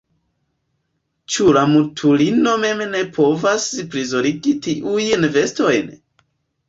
Ĉu la mutulino mem ne povas prizorgi tiujn vestojn?